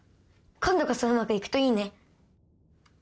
今度こそうまくいくといいね。